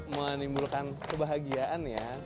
menimbulkan kebahagiaan ya